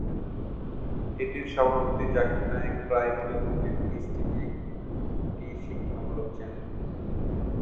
এটির সভাপতি জাকির নায়েক প্রায়ই বলে থাকেন পিস টিভি একটি শিক্ষামূলক চ্যানেল।